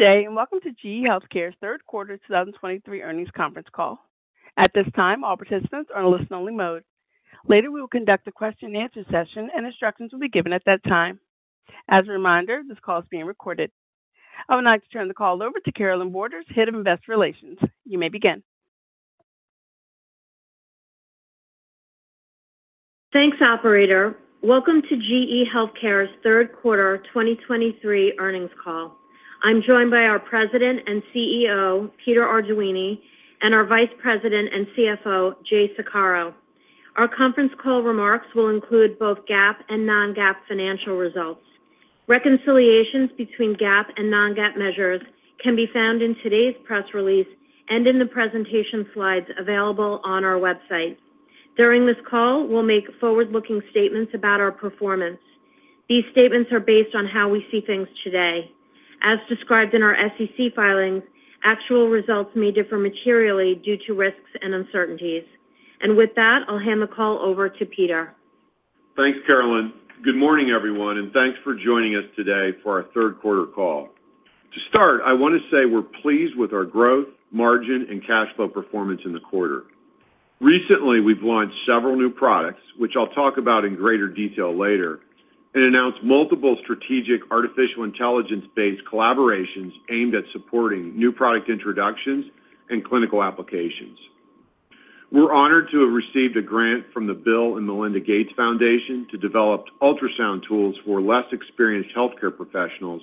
Good day, and welcome to GE HealthCare's third quarter 2023 earnings conference call. At this time, all participants are in listen-only mode. Later, we will conduct a question-and-answer session, and instructions will be given at that time. As a reminder, this call is being recorded. I would now like to turn the call over to Carolynne Borders, Head of Investor Relations. You may begin. Thanks, operator. Welcome to GE HealthCare's third quarter 2023 earnings call. I'm joined by our President and CEO, Peter Arduini, and our Vice President and CFO, Jay Saccaro. Our conference call remarks will include both GAAP and non-GAAP financial results. Reconciliations between GAAP and non-GAAP measures can be found in today's press release and in the presentation slides available on our website. During this call, we'll make forward-looking statements about our performance. These statements are based on how we see things today. As described in our SEC filings, actual results may differ materially due to risks and uncertainties. With that, I'll hand the call over to Peter. Thanks, Carolynne. Good morning, everyone, and thanks for joining us today for our third quarter call. To start, I want to say we're pleased with our growth, margin, and cash flow performance in the quarter. Recently, we've launched several new products, which I'll talk about in greater detail later, and announced multiple strategic artificial intelligence-based collaborations aimed at supporting new product introductions and clinical applications. We're honored to have received a grant from the Bill and Melinda Gates Foundation to develop Ultrasound tools for less experienced healthcare professionals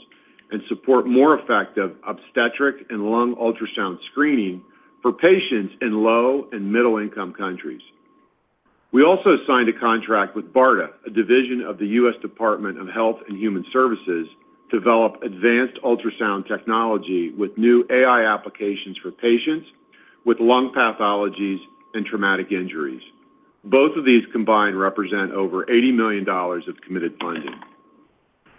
and support more effective obstetric and lung Ultrasound screening for patients in low and middle-income countries. We also signed a contract with BARDA, a division of the U.S. Department of Health and Human Services, to develop advanced ultrasound technology with new AI applications for patients with lung pathologies and traumatic injuries. Both of these combined represent over $80 million of committed funding.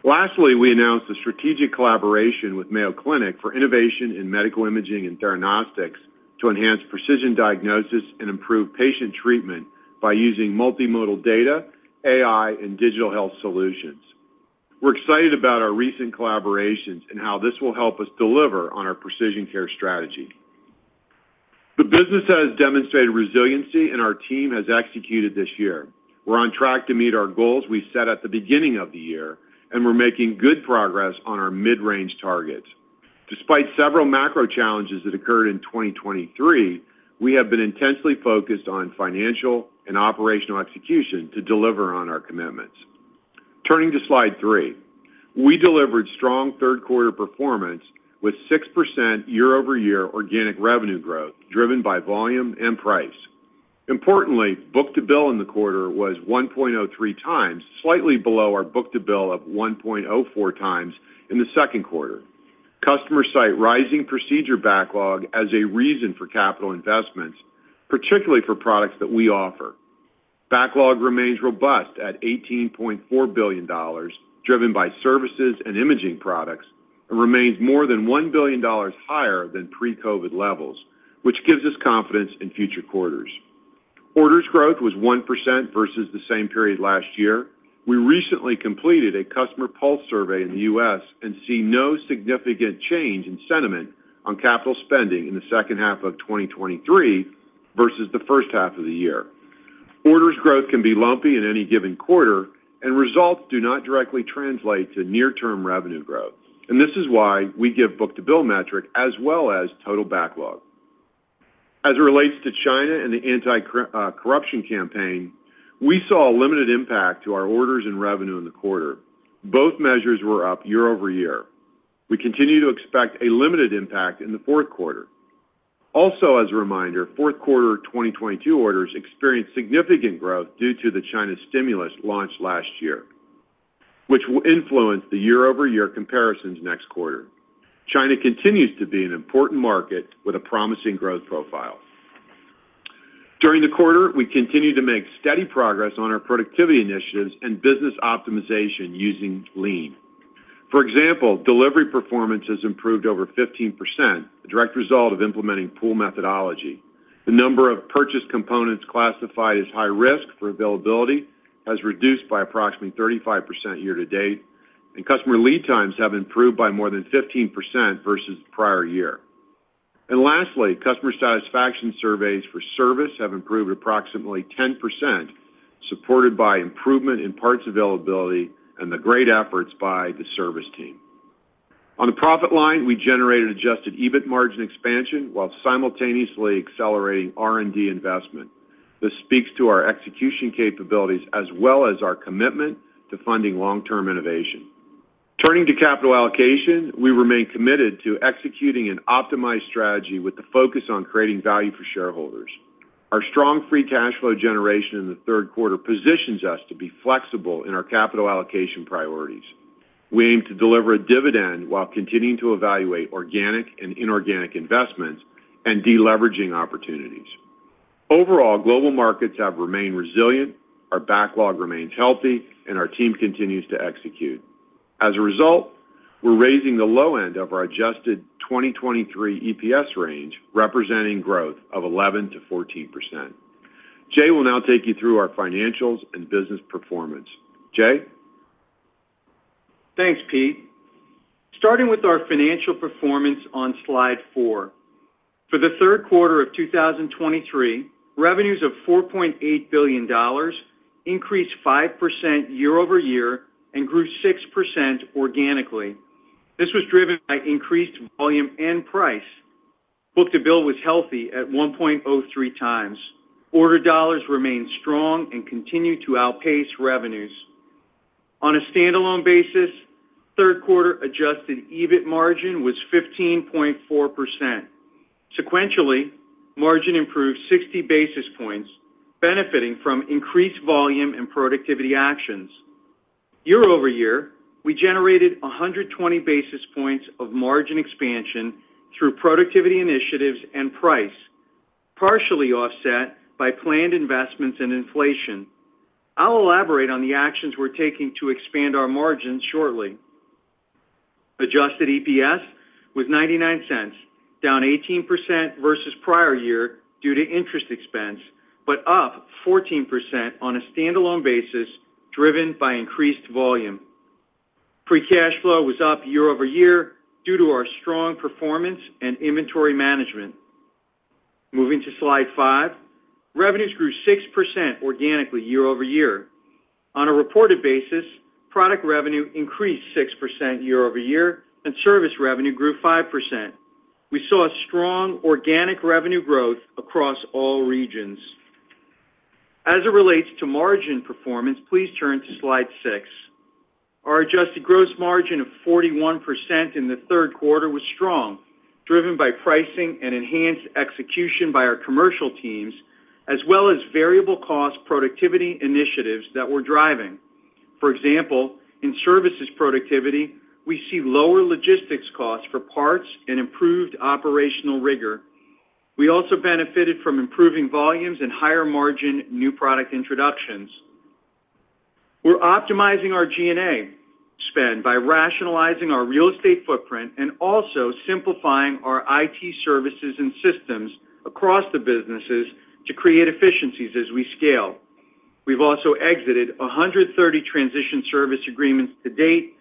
Lastly, we announced a strategic collaboration with Mayo Clinic for innovation in medical imaging and diagnostics to enhance precision diagnosis and improve patient treatment by using multimodal data, AI, and digital health solutions. We're excited about our recent collaborations and how this will help us deliver on our precision care strategy. The business has demonstrated resiliency, and our team has executed this year. We're on track to meet our goals we set at the beginning of the year, and we're making good progress on our mid-range targets. Despite several macro challenges that occurred in 2023, we have been intensely focused on financial and operational execution to deliver on our commitments. Turning to Slide 3. We delivered strong third quarter performance with 6% year-over-year organic revenue growth, driven by volume and price. Importantly, book-to-bill in the quarter was 1.03 times, slightly below our book-to-bill of 1.04 times in the second quarter. Customers cite rising procedure backlog as a reason for capital investments, particularly for products that we offer. Backlog remains robust at $18.4 billion, driven by services and imaging products, and remains more than $1 billion higher than pre-COVID levels, which gives us confidence in future quarters. Orders growth was 1% versus the same period last year. We recently completed a customer pulse survey in the U.S. and see no significant change in sentiment on capital spending in the second half of 2023 versus the first half of the year. Orders growth can be lumpy in any given quarter, and results do not directly translate to near-term revenue growth, and this is why we give book-to-bill metric as well as total backlog. As it relates to China and the anti-corruption campaign, we saw a limited impact to our orders and revenue in the quarter. Both measures were up year-over-year. We continue to expect a limited impact in the fourth quarter. Also, as a reminder, fourth quarter 2022 orders experienced significant growth due to the China stimulus launched last year, which will influence the year-over-year comparisons next quarter. China continues to be an important market with a promising growth profile. During the quarter, we continued to make steady progress on our productivity initiatives and business optimization using Lean. For example, delivery performance has improved over 15%, a direct result of implementing pull methodology. The number of purchase components classified as high risk for availability has reduced by approximately 35% year to date, and customer lead times have improved by more than 15% versus the prior year. Lastly, customer satisfaction surveys for service have improved approximately 10%, supported by improvement in parts availability and the great efforts by the service team. On the profit line, we generated adjusted EBIT margin expansion while simultaneously accelerating R&D investment. This speaks to our execution capabilities as well as our commitment to funding long-term innovation. Turning to capital allocation, we remain committed to executing an optimized strategy with the focus on creating value for shareholders. Our strong free cash flow generation in the third quarter positions us to be flexible in our capital allocation priorities. We aim to deliver a dividend while continuing to evaluate organic and inorganic investments and deleveraging opportunities. Overall, global markets have remained resilient, our backlog remains healthy, and our team continues to execute. As a result, we're raising the low end of our adjusted 2023 EPS range, representing growth of 11%-14%. Jay will now take you through our financials and business performance. Jay? Thanks, Pete. Starting with our financial performance on slide 4. For the third quarter of 2023, revenues of $4.8 billion increased 5% year-over-year and grew 6% organically. This was driven by increased volume and price. Book-to-bill was healthy at 1.03 times. Order dollars remained strong and continued to outpace revenues. On a standalone basis, third quarter adjusted EBIT margin was 15.4%. Sequentially, margin improved 60 basis points, benefiting from increased volume and productivity actions. Year-over-year, we generated 120 basis points of margin expansion through productivity initiatives and price, partially offset by planned investments and inflation. I'll elaborate on the actions we're taking to expand our margins shortly. Adjusted EPS was $0.99, down 18% versus prior year due to interest expense, but up 14% on a standalone basis, driven by increased volume. Free cash flow was up year-over-year due to our strong performance and inventory management. Moving to slide 5. Revenues grew 6% organically year-over-year. On a reported basis, product revenue increased 6% year-over-year, and service revenue grew 5%. We saw a strong organic revenue growth across all regions. As it relates to margin performance, please turn to slide 6. Our adjusted gross margin of 41% in the third quarter was strong, driven by pricing and enhanced execution by our commercial teams, as well as variable cost productivity initiatives that we're driving. For example, in services productivity, we see lower logistics costs for parts and improved operational rigor. We also benefited from improving volumes and higher margin new product introductions. We're optimizing our G&A spend by rationalizing our real estate footprint and also simplifying our IT services and systems across the businesses to create efficiencies as we scale. We've also exited 130 transition service agreements to date.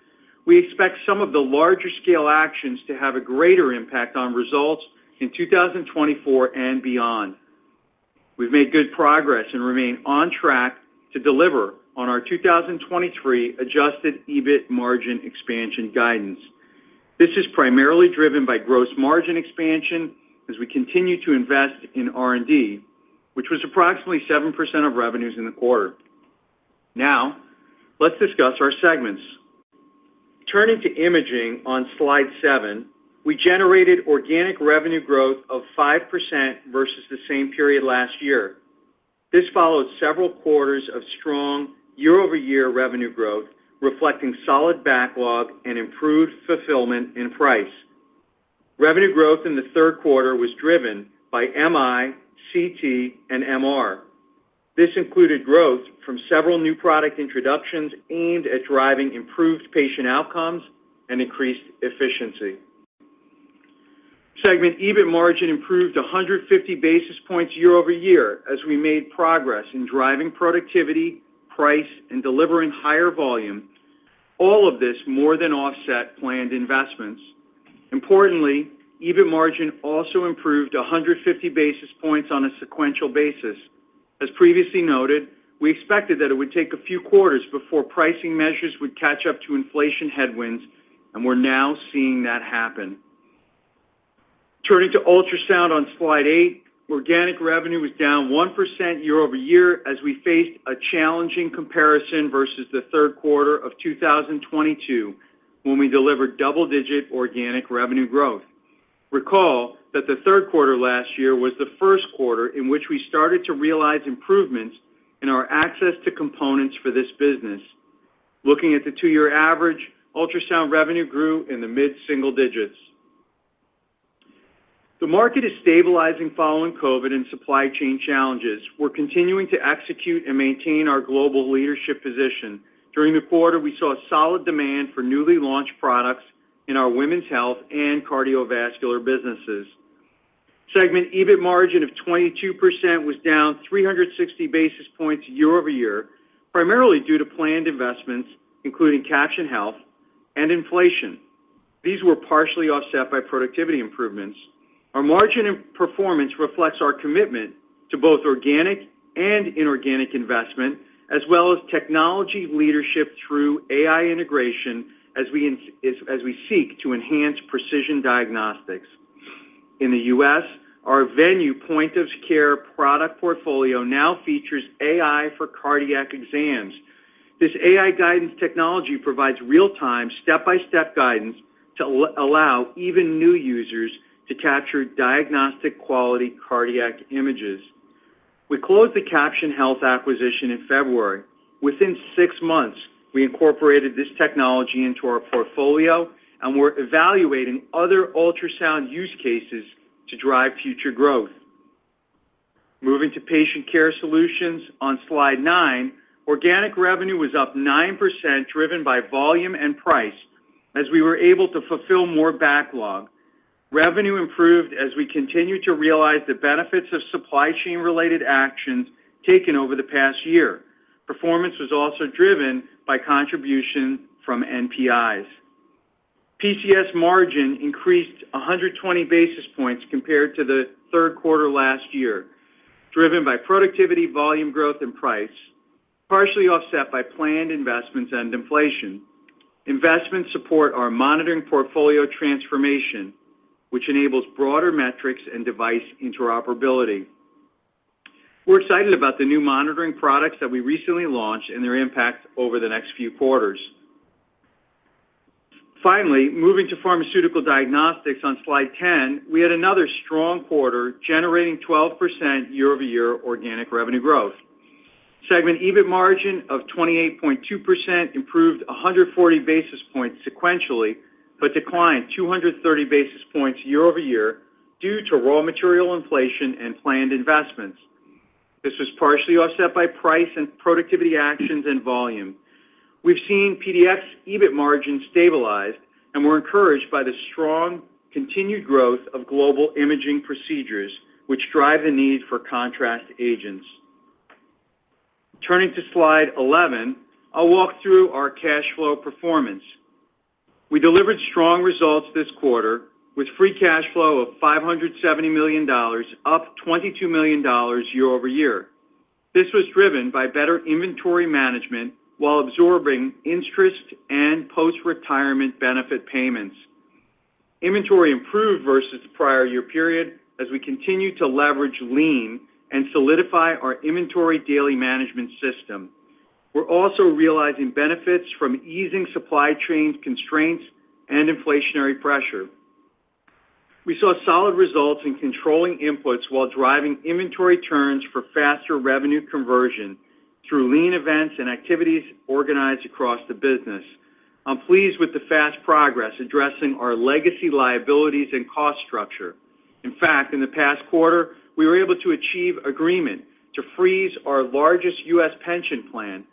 We expect some of the larger scale actions to have a greater impact on results in 2024 and beyond. We've made good progress and remain on track to deliver on our 2023 adjusted EBIT margin expansion guidance. This is primarily driven by gross margin expansion as we continue to invest in R&D, which was approximately 7% of revenues in the quarter. Now, let's discuss our segments. Turning to imaging on slide 7, we generated organic revenue growth of 5% versus the same period last year. This followed several quarters of strong year-over-year revenue growth, reflecting solid backlog and improved fulfillment in price. Revenue growth in the third quarter was driven by MI, CT, and MR. This included growth from several new product introductions aimed at driving improved patient outcomes and increased efficiency. Segment EBIT margin improved 150 basis points year-over-year, as we made progress in driving productivity, price, and delivering higher volume. All of this more than offset planned investments. Importantly, EBIT margin also improved 150 basis points on a sequential basis. As previously noted, we expected that it would take a few quarters before pricing measures would catch up to inflation headwinds, and we're now seeing that happen. Turning to ultrasound on slide 8, organic revenue was down 1% year-over-year, as we faced a challenging comparison versus the third quarter of 2022, when we delivered double-digit organic revenue growth. Recall that the third quarter last year was the first quarter in which we started to realize improvements in our access to components for this business. Looking at the two-year average, ultrasound revenue grew in the mid-single digits. The market is stabilizing following COVID and supply chain challenges. We're continuing to execute and maintain our global leadership position. During the quarter, we saw a solid demand for newly launched products in our women's health and cardiovascular businesses. Segment EBIT margin of 22% was down 360 basis points year-over-year, primarily due to planned investments, including Caption Health and inflation. These were partially offset by productivity improvements. Our margin and performance reflects our commitment to both organic and inorganic investment, as well as technology leadership through AI integration, as we seek to enhance precision diagnostics. In the U.S., our Venue point of care product portfolio now features AI for cardiac exams. This AI guidance technology provides real-time, step-by-step guidance to allow even new users to capture diagnostic-quality cardiac images. We closed the Caption Health acquisition in February. Within six months, we incorporated this technology into our portfolio, and we're evaluating other ultrasound use cases to drive future growth. Moving to Patient Care Solutions on slide nine, organic revenue was up 9%, driven by volume and price, as we were able to fulfill more backlog. Revenue improved as we continued to realize the benefits of supply chain-related actions taken over the past year. Performance was also driven by contribution from NPIs. PCS margin increased 120 basis points compared to the third quarter last year, driven by productivity, volume growth, and price, partially offset by planned investments and inflation. Investments support our monitoring portfolio transformation, which enables broader metrics and device interoperability. We're excited about the new monitoring products that we recently launched and their impact over the next few quarters. Finally, moving to Pharmaceutical Diagnostics on Slide 10, we had another strong quarter, generating 12% year-over-year organic revenue growth. Segment EBIT margin of 28.2% improved 140 basis points sequentially, but declined 230 basis points year-over-year due to raw material inflation and planned investments. This was partially offset by price and productivity actions and volume. We've seen PDx EBIT margin stabilize, and we're encouraged by the strong, continued growth of global imaging procedures, which drive the need for contrast agents. Turning to Slide 11, I'll walk through our cash flow performance. We delivered strong results this quarter, with Free Cash Flow of $570 million, up $22 million year-over-year. This was driven by better inventory management while absorbing interest and post-retirement benefit payments. Inventory improved versus the prior year period as we continued to leverage Lean and solidify our inventory daily management system. We're also realizing benefits from easing supply chain constraints and inflationary pressure. We saw solid results in controlling inputs while driving inventory turns for faster revenue conversion through Lean events and activities organized across the business. I'm pleased with the fast progress addressing our legacy liabilities and cost structure. In fact, in the past quarter, we were able to achieve agreement to freeze our largest U.S. pension plan,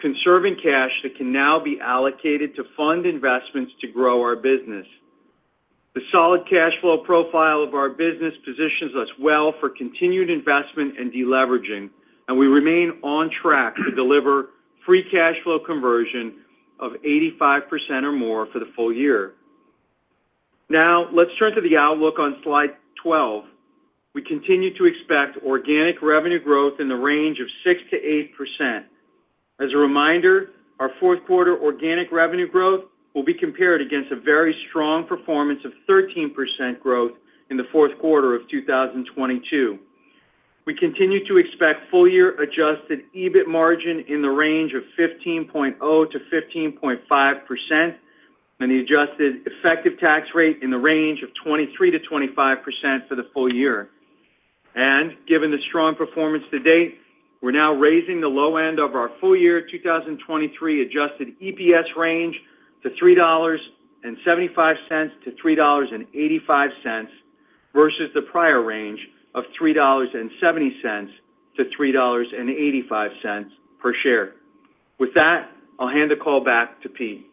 conserving cash that can now be allocated to fund investments to grow our business. The solid cash flow profile of our business positions us well for continued investment and deleveraging, and we remain on track to deliver free cash flow conversion of 85% or more for the full year. Now, let's turn to the outlook on Slide 12. We continue to expect organic revenue growth in the range of 6%-8%. As a reminder, our fourth quarter organic revenue growth will be compared against a very strong performance of 13% growth in the fourth quarter of 2022. We continue to expect full-year adjusted EBIT margin in the range of 15.0%-15.5%, and the adjusted effective tax rate in the range of 23%-25% for the full year. Given the strong performance to date, we're now raising the low end of our full-year 2023 adjusted EPS range to $3.75-$3.85, versus the prior range of $3.70-$3.85 per share. With that, I'll hand the call back to Pete.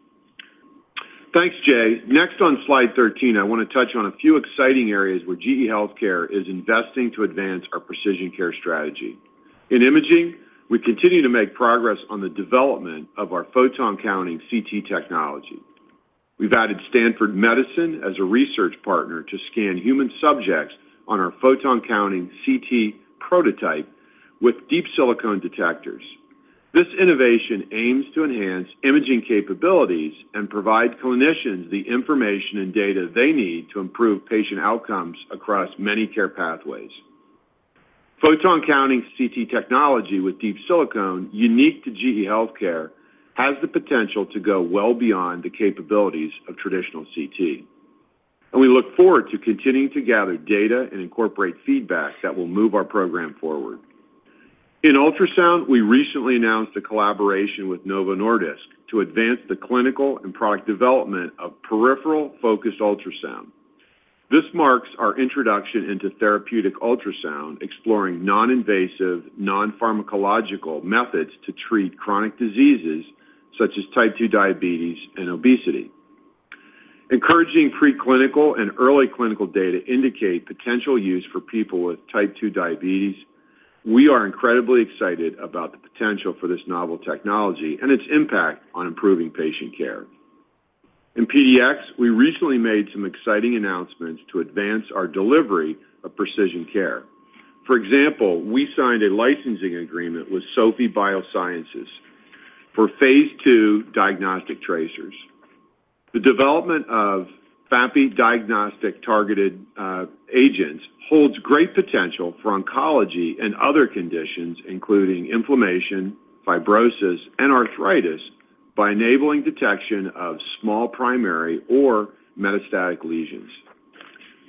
Thanks, Jay. Next, on Slide 13, I want to touch on a few exciting areas where GE HealthCare is investing to advance our precision care strategy. In imaging, we continue to make progress on the development of our photon-counting CT technology. We've added Stanford Medicine as a research partner to scan human subjects on our photon-counting CT prototype with Deep Silicon detectors. This innovation aims to enhance imaging capabilities and provide clinicians the information and data they need to improve patient outcomes across many care pathways. Photon-counting CT technology with Deep Silicon, unique to GE HealthCare, has the potential to go well beyond the capabilities of traditional CT, and we look forward to continuing to gather data and incorporate feedback that will move our program forward. In Ultrasound, we recently announced a collaboration with Novo Nordisk to advance the clinical and product development of peripheral focused ultrasound. This marks our introduction into therapeutic ultrasound, exploring non-invasive, non-pharmacological methods to treat chronic diseases such as type 2 diabetes and obesity. Encouraging preclinical and early clinical data indicate potential use for people with type 2 diabetes. We are incredibly excited about the potential for this novel technology and its impact on improving patient care. In PDx, we recently made some exciting announcements to advance our delivery of precision care. For example, we signed a licensing agreement with SOFIE Biosciences for Phase II diagnostic tracers. The development of FAPI diagnostic targeted agents holds great potential for oncology and other conditions, including inflammation, fibrosis, and arthritis, by enabling detection of small, primary, or metastatic lesions.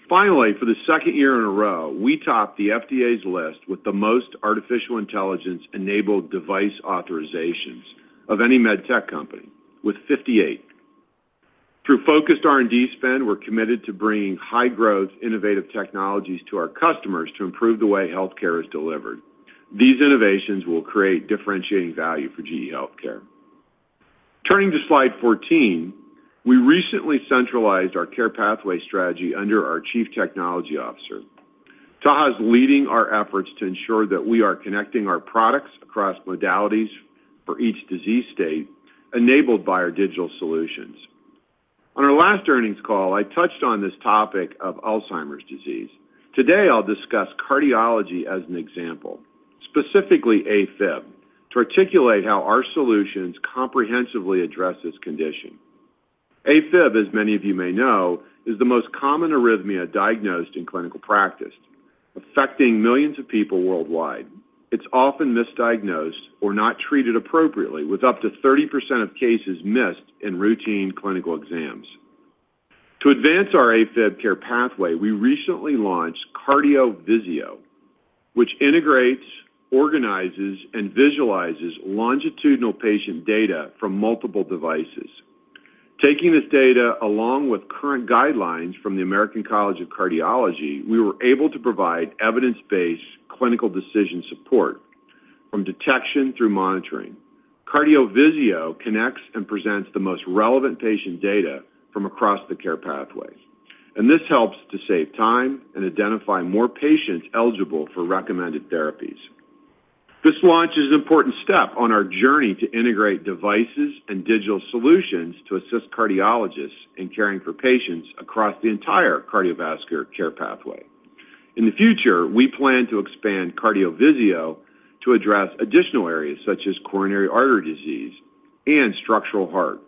Finally, for the second year in a row, we topped the FDA's list with the most artificial intelligence-enabled device authorizations of any med tech company, with 58. Through focused R&D spend, we're committed to bringing high-growth, innovative technologies to our customers to improve the way healthcare is delivered. These innovations will create differentiating value for GE HealthCare. Turning to slide 14, we recently centralized our care pathway strategy under our Chief Technology Officer. Taha is leading our efforts to ensure that we are connecting our products across modalities for each disease state, enabled by our digital solutions. On our last earnings call, I touched on this topic of Alzheimer's disease. Today, I'll discuss cardiology as an example, specifically AFib, to articulate how our solutions comprehensively address this condition. AFib, as many of you may know, is the most common arrhythmia diagnosed in clinical practice, affecting millions of people worldwide. It's often misdiagnosed or not treated appropriately, with up to 30% of cases missed in routine clinical exams. To advance our AFib care pathway, we recently launched CardioVisio, which integrates, organizes, and visualizes longitudinal patient data from multiple devices. Taking this data, along with current guidelines from the American College of Cardiology, we were able to provide evidence-based clinical decision support from detection through monitoring. CardioVisio connects and presents the most relevant patient data from across the care pathway, and this helps to save time and identify more patients eligible for recommended therapies. This launch is an important step on our journey to integrate devices and digital solutions to assist cardiologists in caring for patients across the entire cardiovascular care pathway. In the future, we plan to expand CardioVisio to address additional areas such as coronary artery disease and structural heart.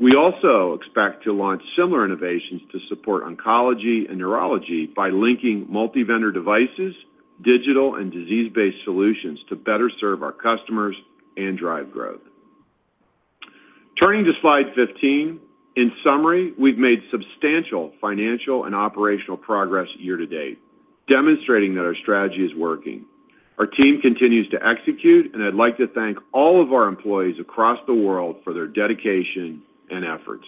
We also expect to launch similar innovations to support oncology and neurology by linking multi-vendor devices, digital and disease-based solutions to better serve our customers and drive growth. Turning to slide 15. In summary, we've made substantial financial and operational progress year to date, demonstrating that our strategy is working. Our team continues to execute, and I'd like to thank all of our employees across the world for their dedication and efforts.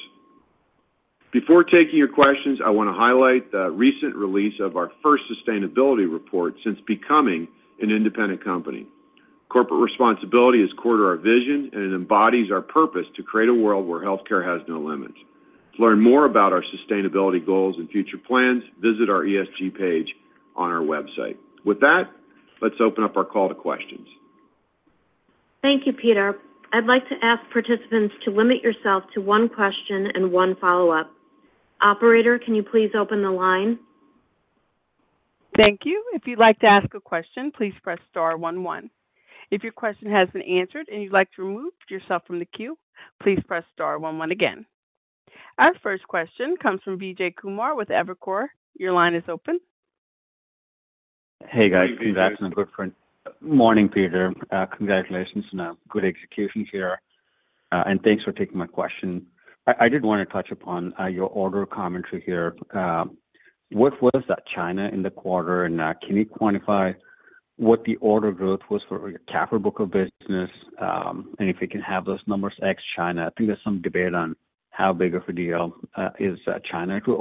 Before taking your questions, I want to highlight the recent release of our first sustainability report since becoming an independent company. Corporate responsibility is core to our vision, and it embodies our purpose to create a world where healthcare has no limits. To learn more about our sustainability goals and future plans, visit our ESG page on our website. With that, let's open up our call to questions. Thank you, Peter. I'd like to ask participants to limit yourself to one question and one follow-up. Operator, can you please open the line? Thank you. If you'd like to ask a question, please press star one, one. If your question has been answered and you'd like to remove yourself from the queue, please press star one, one again. Our first question comes from Vijay Kumar with Evercore. Your line is open. Hey, guys. Congratulations. Good morning, Peter. Congratulations on a good execution here, and thanks for taking my question. I did want to touch upon your order commentary here. What was that in China in the quarter? And can you quantify what the order growth was for your capital book of business? And if we can have those numbers ex China, I think there's some debate on how big of a deal is China to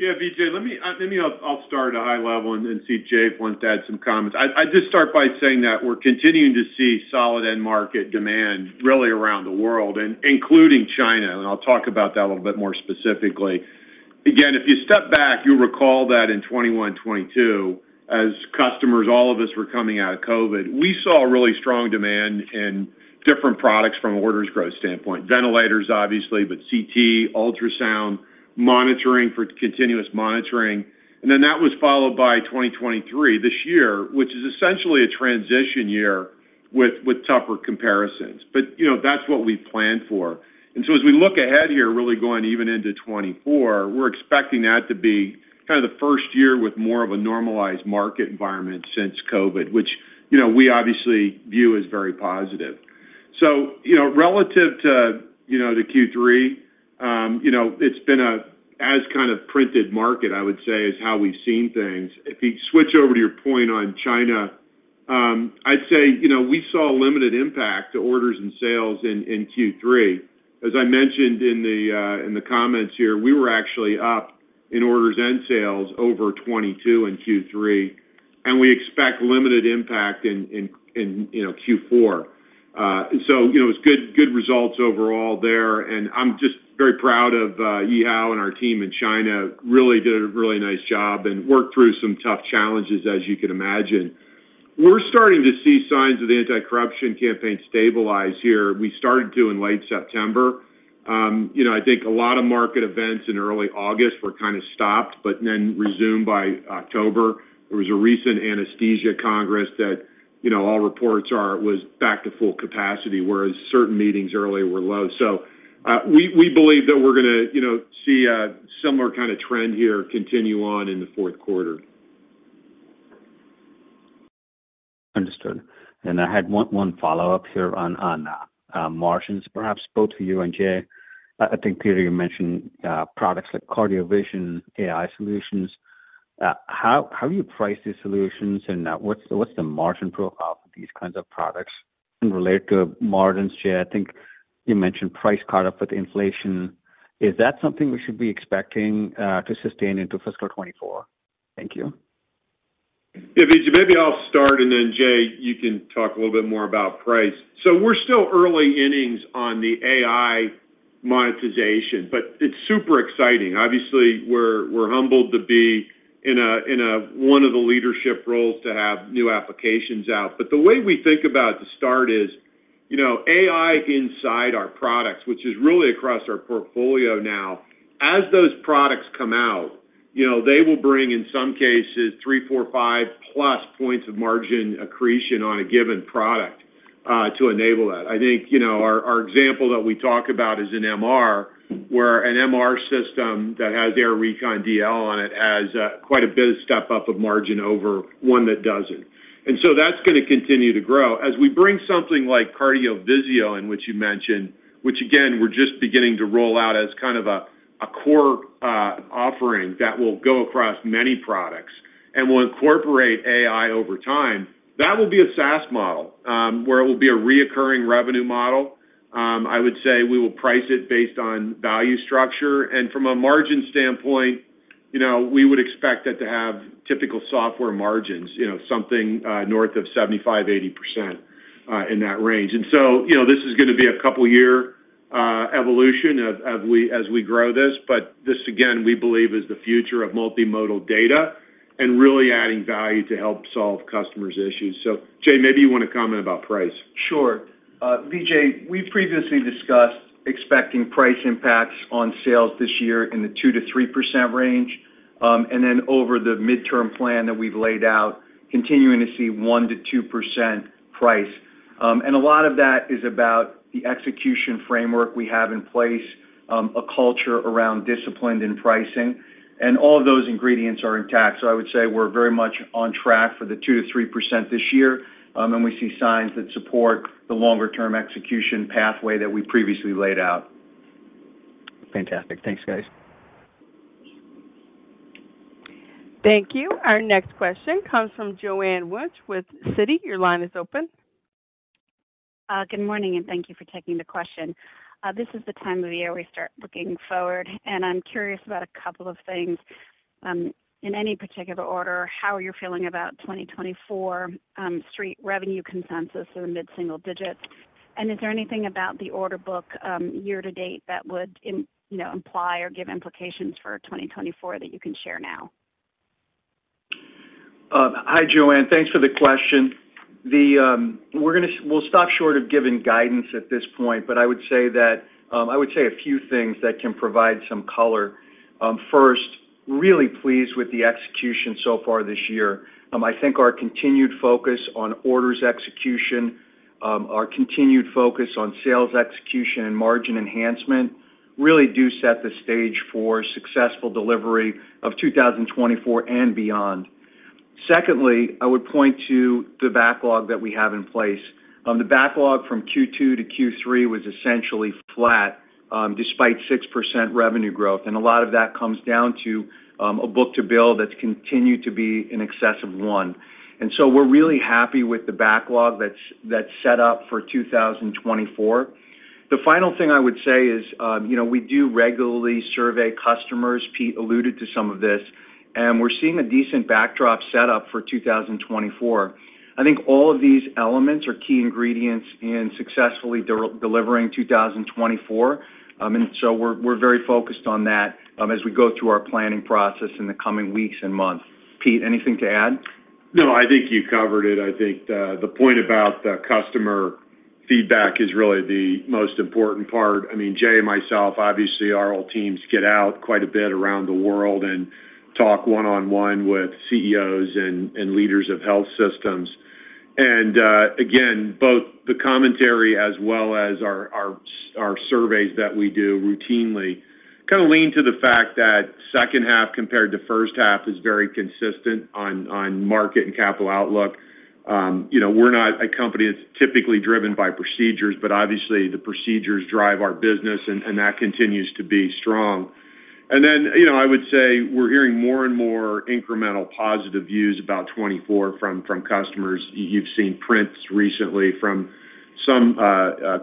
orders. Yeah, Vijay, let me. I'll start at a high level and then see if Jay wants to add some comments. I just start by saying that we're continuing to see solid end market demand really around the world and including China, and I'll talk about that a little bit more specifically. Again, if you step back, you'll recall that in 2021, 2022, as customers, all of us were coming out of COVID, we saw really strong demand in different products from an orders growth standpoint. Ventilators, obviously, but CT, ultrasound, monitoring for continuous monitoring. And then that was followed by 2023 this year, which is essentially a transition year with tougher comparisons. But, you know, that's what we planned for. And so as we look ahead here, really going even into 2024, we're expecting that to be kind of the first year with more of a normalized market environment since COVID, which, you know, we obviously view as very positive. So, you know, relative to, you know, the Q3, you know, it's been a as kind of printed market, I would say, is how we've seen things. If you switch over to your point on China, I'd say, you know, we saw a limited impact to orders and sales in Q3. As I mentioned in the comments here, we were actually up in orders and sales over 2022 in Q3, and we expect limited impact in Q4. So, you know, it's good, good results overall there, and I'm just very proud of Yihao and our team in China. Really did a really nice job and worked through some tough challenges, as you can imagine. We're starting to see signs of the anti-corruption campaign stabilize here. We started to in late September. You know, I think a lot of market events in early August were kind of stopped, but then resumed by October. There was a recent anesthesia congress that, you know, all reports are, was back to full capacity, whereas certain meetings earlier were low. So, we believe that we're going to, you know, see a similar kind of trend here continue on in the fourth quarter. Understood. I had one follow-up here on margins, perhaps both to you and Jay. I think, Peter, you mentioned products like CardioVisio, AI solutions. How do you price these solutions, and what's the margin profile for these kinds of products? And related to margin, Jay, I think you mentioned price caught up with inflation. Is that something we should be expecting to sustain into fiscal 2024? Thank you.... Yeah, Vijay, maybe I'll start, and then Jay, you can talk a little bit more about price. So we're still early innings on the AI monetization, but it's super exciting. Obviously, we're, we're humbled to be in a, in a one of the leadership roles to have new applications out. But the way we think about the start is, you know, AI inside our products, which is really across our portfolio now, as those products come out, you know, they will bring, in some cases, 3, 4, 5+ points of margin accretion on a given product, to enable that. I think, you know, our, our example that we talk about is in MR, where an MR system that has AIR Recon DL on it has, quite a bit of step up of margin over one that doesn't. And so that's going to continue to grow. As we bring something like CardioVisio, in which you mentioned, which again, we're just beginning to roll out as kind of a core offering that will go across many products and will incorporate AI over time, that will be a SaaS model, where it will be a recurring revenue model. I would say we will price it based on value structure. And from a margin standpoint, you know, we would expect it to have typical software margins, you know, something north of 75%-80%, in that range. And so, you know, this is going to be a couple-year evolution as we grow this. But this, again, we believe is the future of multimodal data and really adding value to help solve customers' issues. So Jay, maybe you want to comment about price. Sure. Vijay, we previously discussed expecting price impacts on sales this year in the 2%-3% range, and then over the midterm plan that we've laid out, continuing to see 1%-2% price. And a lot of that is about the execution framework we have in place, a culture around disciplined in pricing, and all of those ingredients are intact. So I would say we're very much on track for the 2%-3% this year, and we see signs that support the longer-term execution pathway that we previously laid out. Fantastic. Thanks, guys. Thank you. Our next question comes from Joanne Wuensch with Citi. Your line is open. Good morning, and thank you for taking the question. This is the time of the year we start looking forward, and I'm curious about a couple of things. In any particular order, how are you feeling about 2024, street revenue consensus in the mid-single digits? And is there anything about the order book, year to date that would, you know, imply or give implications for 2024 that you can share now? Hi, Joanne. Thanks for the question. We're going to. We'll stop short of giving guidance at this point, but I would say that a few things that can provide some color. First, really pleased with the execution so far this year. I think our continued focus on orders execution, our continued focus on sales execution and margin enhancement, really do set the stage for successful delivery of 2024 and beyond. Secondly, I would point to the backlog that we have in place. The backlog from Q2 to Q3 was essentially flat, despite 6% revenue growth, and a lot of that comes down to a book-to-bill that's continued to be in excess of one. And so we're really happy with the backlog that's set up for 2024. The final thing I would say is, you know, we do regularly survey customers. Pete alluded to some of this, and we're seeing a decent backdrop set up for 2024. I think all of these elements are key ingredients in successfully delivering 2024. And so we're very focused on that, as we go through our planning process in the coming weeks and months. Pete, anything to add? No, I think you covered it. I think the point about the customer feedback is really the most important part. I mean, Jay and myself, obviously, our whole teams get out quite a bit around the world and talk one-on-one with CEOs and leaders of health systems. And again, both the commentary as well as our surveys that we do routinely kind of lean to the fact that second half compared to first half is very consistent on market and capital outlook. You know, we're not a company that's typically driven by procedures, but obviously, the procedures drive our business, and that continues to be strong. And then, you know, I would say we're hearing more and more incremental positive views about 2024 from customers. You've seen prints recently from some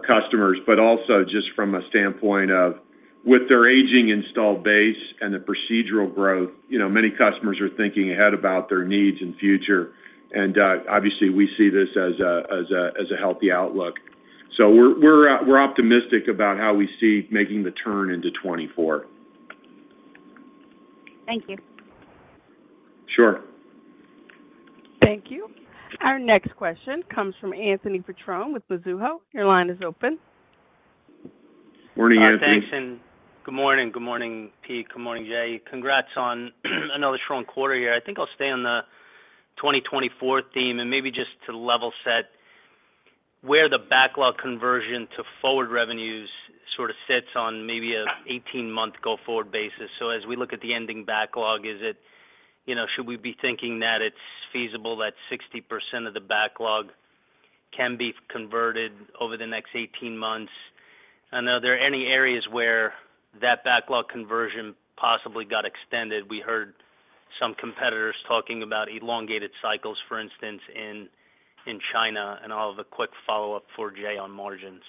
customers, but also just from a standpoint of with their aging installed base and the procedural growth, you know, many customers are thinking ahead about their needs in future. Obviously, we see this as a healthy outlook. So we're optimistic about how we see making the turn into 2024. Thank you. Sure. Thank you. Our next question comes from Anthony Petrone with Mizuho. Your line is open. Morning, Anthony. Thanks, and good morning. Good morning, Pete. Good morning, Jay. Congrats on another strong quarter here. I think I'll stay on the 2024 theme and maybe just to level set where the backlog conversion to forward revenues sort of sits on maybe an 18-month go-forward basis. So as we look at the ending backlog, is it, you know, should we be thinking that it's feasible that 60% of the backlog can be converted over the next 18 months? And are there any areas where that backlog conversion possibly got extended? We heard some competitors talking about elongated cycles, for instance, in China, and I'll have a quick follow-up for Jay on margins....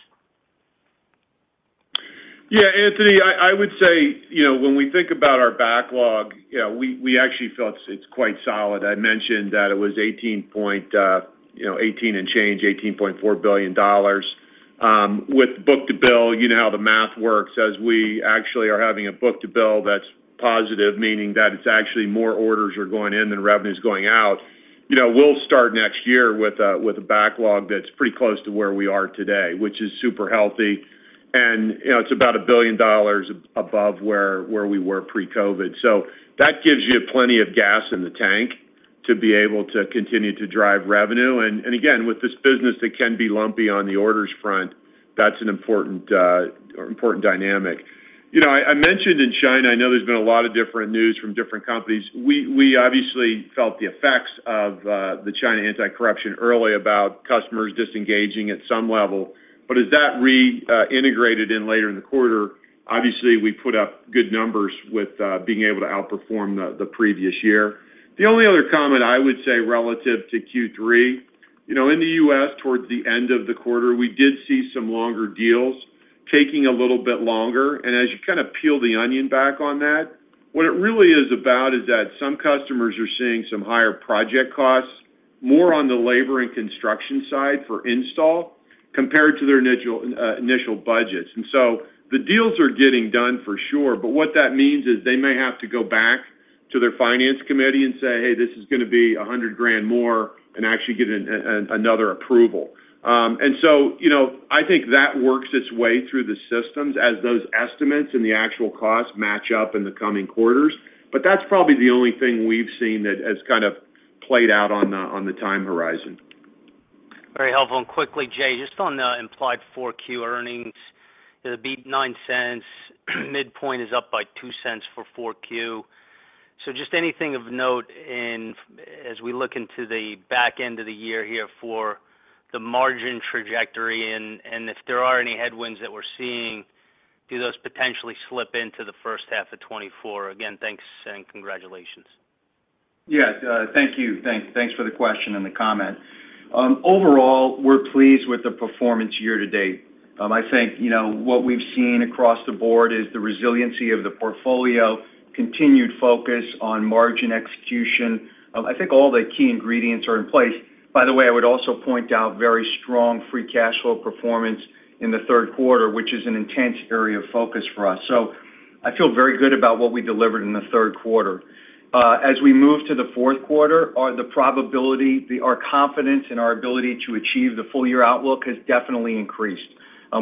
Yeah, Anthony, I would say, you know, when we think about our backlog, you know, we actually feel it's quite solid. I mentioned that it was eighteen point, you know, eighteen and change, $18.4 billion. With book-to-bill, you know how the math works. As we actually are having a book-to-bill that's positive, meaning that it's actually more orders are going in than revenue is going out. You know, we'll start next year with a backlog that's pretty close to where we are today, which is super healthy. And, you know, it's about $1 billion above where we were pre-COVID. So that gives you plenty of gas in the tank to be able to continue to drive revenue. And again, with this business, it can be lumpy on the orders front. That's an important dynamic. You know, I mentioned in China, I know there's been a lot of different news from different companies. We obviously felt the effects of the China anti-corruption early about customers disengaging at some level. But as that reintegrated in later in the quarter, obviously, we put up good numbers with being able to outperform the previous year. The only other comment I would say relative to Q3, you know, in the US, towards the end of the quarter, we did see some longer deals taking a little bit longer. And as you kind of peel the onion back on that, what it really is about is that some customers are seeing some higher project costs, more on the labor and construction side for install compared to their initial budgets. So the deals are getting done for sure, but what that means is they may have to go back to their finance committee and say, "Hey, this is gonna be $100,000 more," and actually get another approval. And so, you know, I think that works its way through the systems as those estimates and the actual costs match up in the coming quarters. But that's probably the only thing we've seen that has kind of played out on the, on the time horizon. Very helpful. Quickly, Jay, just on the implied Q4 earnings, the beat $0.09, midpoint is up by $0.02 for Q4. So just anything of note, as we look into the back end of the year here for the margin trajectory, and if there are any headwinds that we're seeing, do those potentially slip into the first half of 2024? Again, thanks and congratulations. Yeah, thank you. Thanks for the question and the comment. Overall, we're pleased with the performance year to date. I think, you know, what we've seen across the board is the resiliency of the portfolio, continued focus on margin execution. I think all the key ingredients are in place. By the way, I would also point out very strong free cash flow performance in the third quarter, which is an intense area of focus for us. So I feel very good about what we delivered in the third quarter. As we move to the fourth quarter, our confidence in our ability to achieve the full year outlook has definitely increased.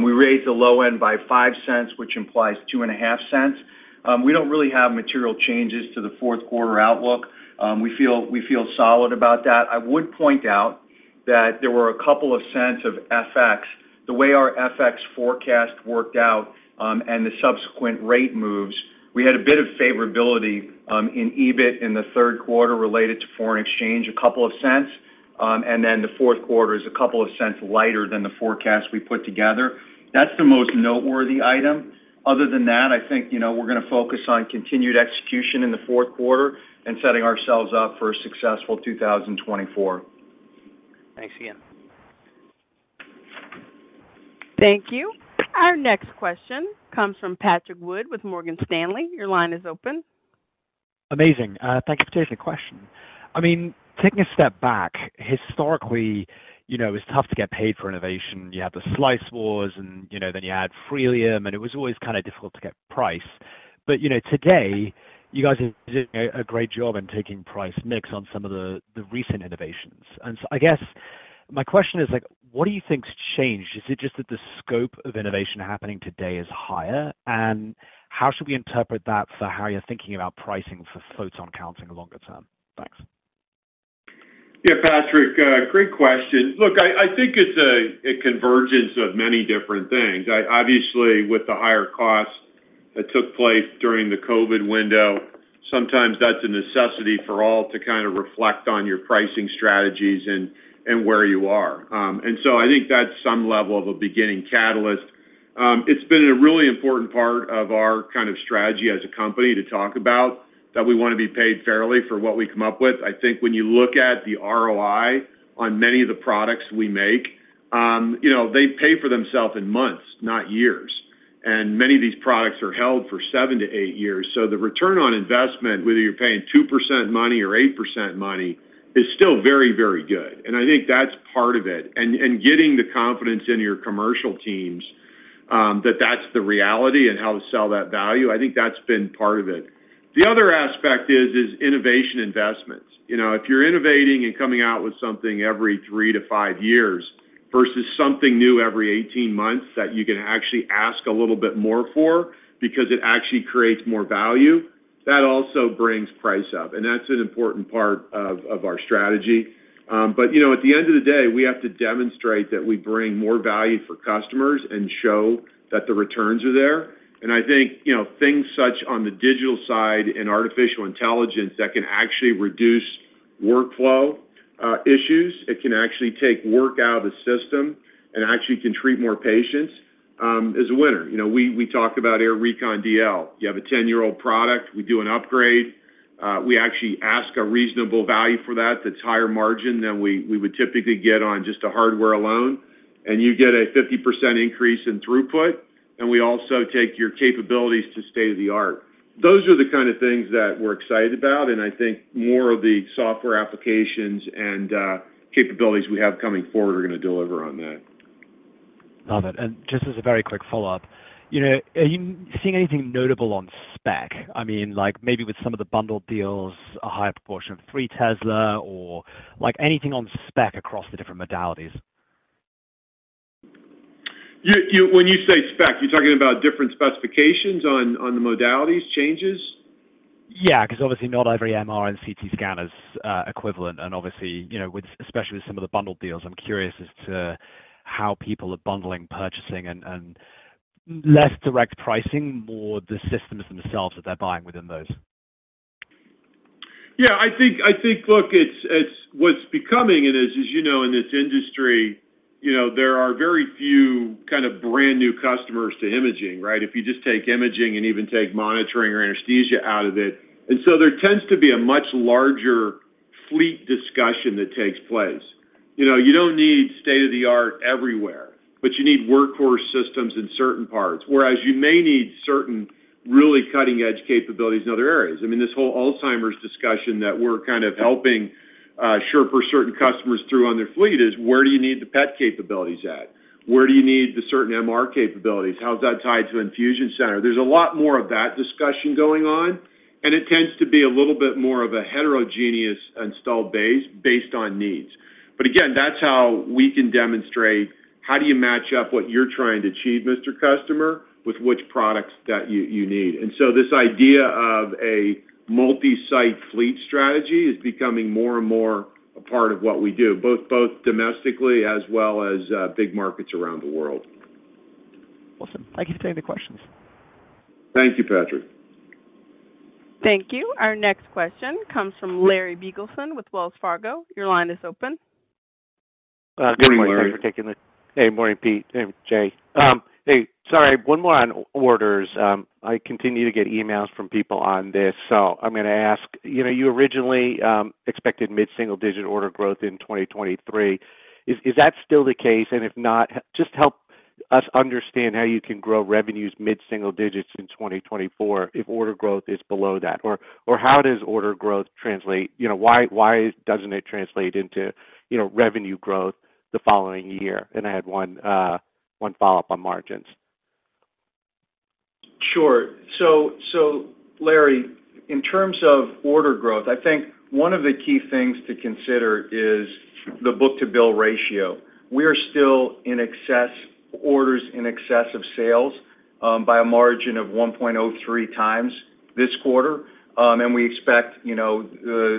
We raised the low end by $0.05, which implies $0.025. We don't really have material changes to the fourth quarter outlook. We feel, we feel solid about that. I would point out that there were $0.02 of FX. The way our FX forecast worked out, and the subsequent rate moves, we had a bit of favorability in EBIT in the third quarter related to foreign exchange, $0.02, and then the fourth quarter is $0.02 lighter than the forecast we put together. That's the most noteworthy item. Other than that, I think, you know, we're gonna focus on continued execution in the fourth quarter and setting ourselves up for a successful 2024. Thanks again. Thank you. Our next question comes from Patrick Wood with Morgan Stanley. Your line is open. Amazing. Thank you for taking the question. I mean, taking a step back, historically, you know, it's tough to get paid for innovation. You had the slice wars, and, you know, then you had freemium, and it was always kind of difficult to get price. But, you know, today, you guys are doing a great job in taking price mix on some of the recent innovations. And so I guess my question is, like, what do you think's changed? Is it just that the scope of innovation happening today is higher? And how should we interpret that for how you're thinking about pricing for photon-counting longer term? Thanks. Yeah, Patrick, great question. Look, I think it's a convergence of many different things. I obviously, with the higher costs that took place during the COVID window, sometimes that's a necessity for all to kind of reflect on your pricing strategies and where you are. And so I think that's some level of a beginning catalyst. It's been a really important part of our kind of strategy as a company to talk about that we want to be paid fairly for what we come up with. I think when you look at the ROI on many of the products we make, you know, they pay for themselves in months, not years. And many of these products are held for 7-8 years. So the return on investment, whether you're paying 2% money or 8% money, is still very, very good, and I think that's part of it. And getting the confidence in your commercial teams, that that's the reality and how to sell that value, I think that's been part of it. The other aspect is innovation investments. You know, if you're innovating and coming out with something every 3-5 years versus something new every 18 months, that you can actually ask a little bit more for because it actually creates more value, that also brings price up, and that's an important part of our strategy. But, you know, at the end of the day, we have to demonstrate that we bring more value for customers and show that the returns are there. I think, you know, things such as on the digital side and artificial intelligence that can actually reduce workflow issues, it can actually take work out of the system and actually can treat more patients, is a winner. You know, we talk about Air Recon DL. You have a 10-year-old product, we do an upgrade. We actually ask a reasonable value for that, that's higher margin than we would typically get on just a hardware alone, and you get a 50% increase in throughput, and we also take your capabilities to state-of-the-art. Those are the kind of things that we're excited about, and I think more of the software applications and capabilities we have coming forward are going to deliver on that. Got it. And just as a very quick follow-up, you know, are you seeing anything notable on spec? I mean, like, maybe with some of the bundled deals, a higher proportion of 3 Tesla or like, anything on spec across the different modalities? You, when you say spec, you're talking about different specifications on the modalities changes? Yeah, because obviously not every MR and CT scan is equivalent, and obviously, you know, with especially with some of the bundled deals, I'm curious as to how people are bundling, purchasing and less direct pricing, more the systems themselves that they're buying within those. Yeah, I think, I think, look, it's, it's what's becoming, and as, as you know, in this industry, you know, there are very few kind of brand new customers to imaging, right? If you just take imaging and even take monitoring or anesthesia out of it. And so there tends to be a much larger fleet discussion that takes place. You know, you don't need state-of-the-art everywhere, but you need workhorse systems in certain parts, whereas you may need certain really cutting-edge capabilities in other areas. I mean, this whole Alzheimer's discussion that we're kind of helping sherpa certain customers through on their fleet is, where do you need the PET capabilities at? Where do you need the certain MR capabilities? How's that tied to infusion center? There's a lot more of that discussion going on, and it tends to be a little bit more of a heterogeneous installed base based on needs. But again, that's how we can demonstrate how do you match up what you're trying to achieve, Mr. Customer, with which products that you need. And so this idea of a multi-site fleet strategy is becoming more and more a part of what we do, both domestically as well as big markets around the world. Awesome. Thank you for taking the questions. Thank you, Patrick. Thank you. Our next question comes from Larry Biegelsen with Wells Fargo. Your line is open. Good morning, Larry. Hey, morning, Pete and Jay. Hey, sorry, one more on orders. I continue to get emails from people on this, so I'm going to ask. You know, you originally expected mid-single-digit order growth in 2023. Is that still the case? And if not, just help us understand how you can grow revenues mid-single digits in 2024 if order growth is below that? Or how does order growth translate? You know, why doesn't it translate into, you know, revenue growth the following year? And I had one, one follow-up on margins. Sure. So, Larry, in terms of order growth, I think one of the key things to consider is the book-to-bill ratio. We are still in excess, orders in excess of sales, by a margin of 1.03 times this quarter. And we expect, you know,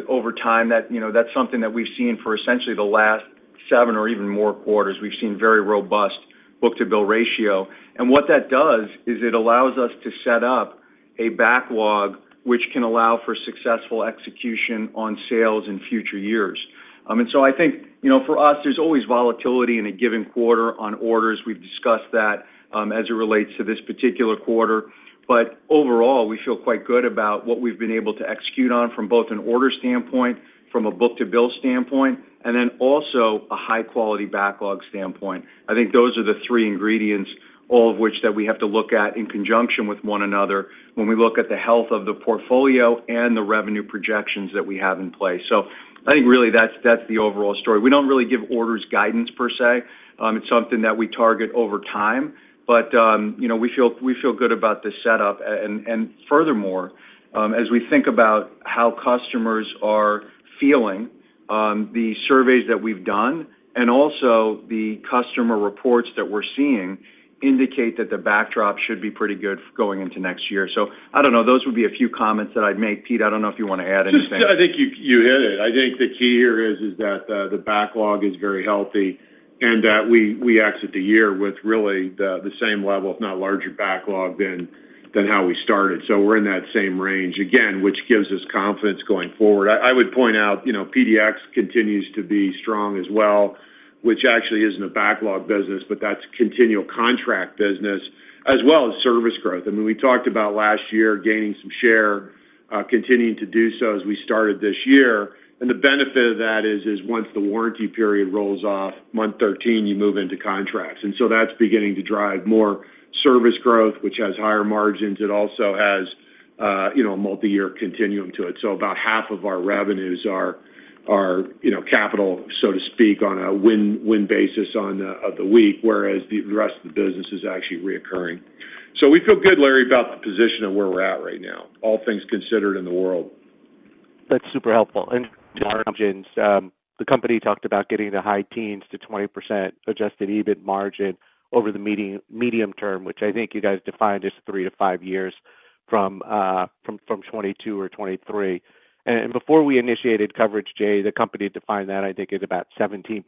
over time, that, you know, that's something that we've seen for essentially the last seven or even more quarters. We've seen very robust book-to-bill ratio. And what that does is it allows us to set up a backlog, which can allow for successful execution on sales in future years. And so I think, you know, for us, there's always volatility in a given quarter on orders. We've discussed that, as it relates to this particular quarter. But overall, we feel quite good about what we've been able to execute on from both an order standpoint, from a book-to-bill standpoint, and then also a high-quality backlog standpoint. I think those are the three ingredients, all of which that we have to look at in conjunction with one another when we look at the health of the portfolio and the revenue projections that we have in place. So I think really that's, that's the overall story. We don't really give orders guidance per se. It's something that we target over time, but, you know, we feel, we feel good about the setup. And furthermore, as we think about how customers are feeling, the surveys that we've done and also the customer reports that we're seeing indicate that the backdrop should be pretty good going into next year. So I don't know. Those would be a few comments that I'd make. Pete, I don't know if you want to add anything. Just, I think you hit it. I think the key here is that the backlog is very healthy and that we exit the year with really the same level, if not larger backlog than how we started. So we're in that same range, again, which gives us confidence going forward. I would point out, you know, PDX continues to be strong as well, which actually isn't a backlog business, but that's continual contract business as well as service growth. I mean, we talked about last year gaining some share, continuing to do so as we started this year. And the benefit of that is once the warranty period rolls off, month 13, you move into contracts. And so that's beginning to drive more service growth, which has higher margins. It also has, you know, a multi-year continuum to it. So about half of our revenues are, you know, capital, so to speak, on a win-win basis on of the week, whereas the rest of the business is actually recurring. So we feel good, Larry, about the position of where we're at right now, all things considered, in the world. That's super helpful. And margins, the company talked about getting the high teens to 20% adjusted EBIT margin over the medium term, which I think you guys defined as 3 to 5 years from 2022 or 2023. And before we initiated coverage, Jay, the company defined that, I think it's about 17% in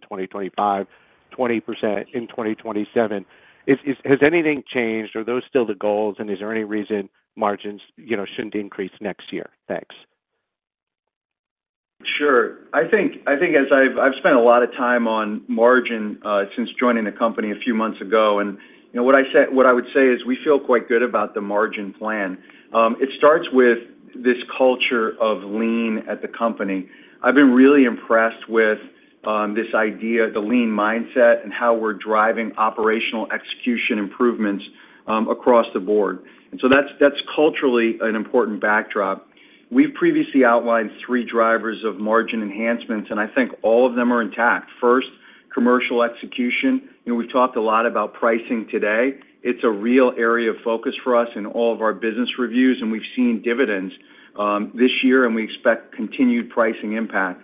2025, 20% in 2027. Has anything changed? Are those still the goals, and is there any reason margins, you know, shouldn't increase next year? Thanks.... Sure. I think as I've spent a lot of time on margin since joining the company a few months ago, and you know what I would say is we feel quite good about the margin plan. It starts with this culture of Lean at the company. I've been really impressed with this idea, the Lean mindset, and how we're driving operational execution improvements across the board. So that's culturally an important backdrop. We've previously outlined three drivers of margin enhancements, and I think all of them are intact. First, commercial execution. You know, we've talked a lot about pricing today. It's a real area of focus for us in all of our business reviews, and we've seen dividends this year, and we expect continued pricing impact.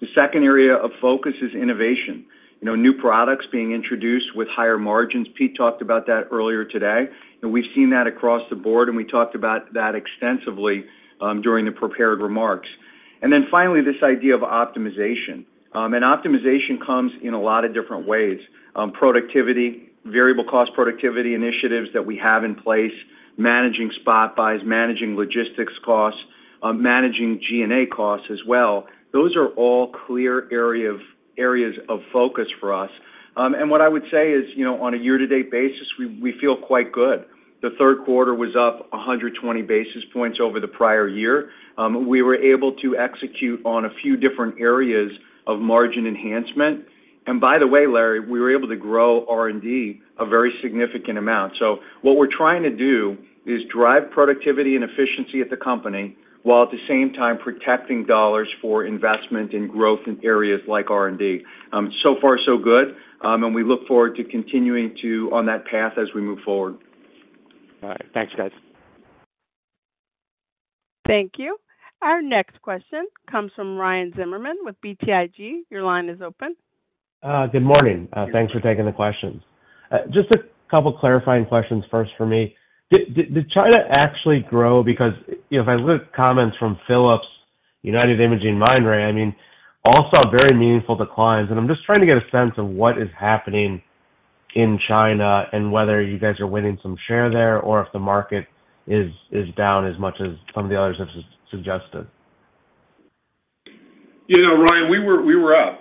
The second area of focus is innovation. You know, new products being introduced with higher margins. Pete talked about that earlier today, and we've seen that across the board, and we talked about that extensively during the prepared remarks. And then finally, this idea of optimization. And optimization comes in a lot of different ways. Productivity, variable cost productivity initiatives that we have in place, managing spot buys, managing logistics costs, managing G&A costs as well. Those are all clear areas of focus for us. And what I would say is, you know, on a year-to-date basis, we feel quite good. The third quarter was up 120 basis points over the prior year. We were able to execute on a few different areas of margin enhancement. And by the way, Larry, we were able to grow R&D a very significant amount. So what we're trying to do is drive productivity and efficiency at the company, while at the same time protecting dollars for investment in growth in areas like R&D. So far, so good, and we look forward to continuing to on that path as we move forward. All right. Thanks, guys. Thank you. Our next question comes from Ryan Zimmerman with BTIG. Your line is open. Good morning. Thanks for taking the questions. Just a couple clarifying questions first for me. Did China actually grow? Because, you know, if I look at comments from Philips, United Imaging, Mindray, I mean, all saw very meaningful declines. And I'm just trying to get a sense of what is happening in China and whether you guys are winning some share there or if the market is down as much as some of the others have suggested. You know, Ryan, we were up.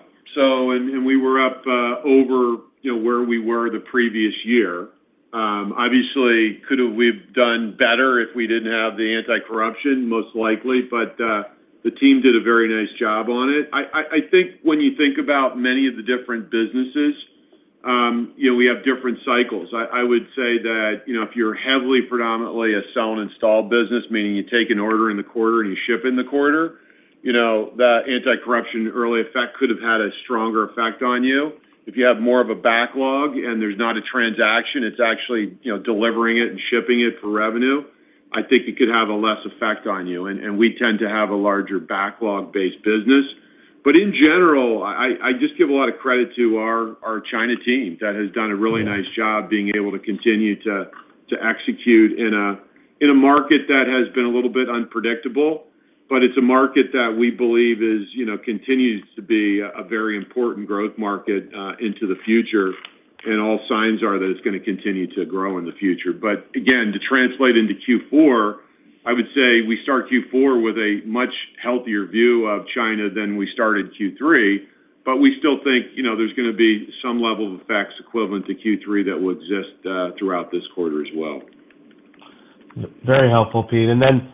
We were up over, you know, where we were the previous year. Obviously, could have we've done better if we didn't have the anti-corruption? Most likely, but the team did a very nice job on it. I think when you think about many of the different businesses, you know, we have different cycles. I would say that, you know, if you're heavily, predominantly a sell and install business, meaning you take an order in the quarter and you ship in the quarter, you know, that anti-corruption early effect could have had a stronger effect on you. If you have more of a backlog and there's not a transaction, it's actually, you know, delivering it and shipping it for revenue, I think it could have a less effect on you, and, and we tend to have a larger backlog-based business. But in general, I just give a lot of credit to our China team that has done a really nice job being able to continue to execute in a market that has been a little bit unpredictable, but it's a market that we believe is, you know, continues to be a very important growth market into the future, and all signs are that it's gonna continue to grow in the future. But again, to translate into Q4, I would say we start Q4 with a much healthier view of China than we started Q3, but we still think, you know, there's gonna be some level of effects equivalent to Q3 that will exist throughout this quarter as well. Very helpful, Pete. And then,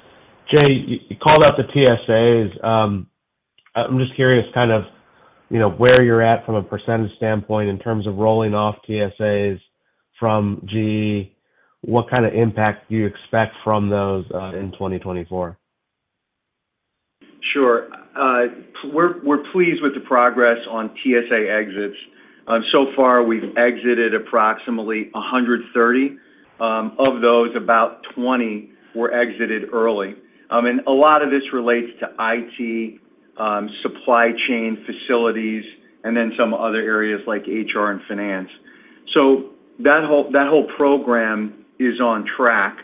Jay, you called out the TSAs. I'm just curious, kind of, you know, where you're at from a percentage standpoint in terms of rolling off TSAs from GE. What kind of impact do you expect from those in 2024? Sure. We're pleased with the progress on TSA exits. So far, we've exited approximately 130. Of those, about 20 were exited early. I mean, a lot of this relates to IT, supply chain, facilities, and then some other areas like HR and finance. So that whole program is on track.